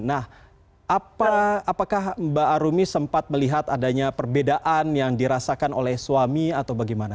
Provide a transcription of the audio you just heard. nah apakah mbak arumi sempat melihat adanya perbedaan yang dirasakan oleh suami atau bagaimana